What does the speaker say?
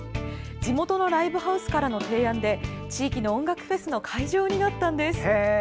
地元のライブハウスからの提案で地域の音楽フェスの会場になったんです。